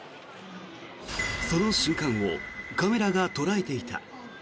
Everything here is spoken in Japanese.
その瞬間をカメラが捉えていた。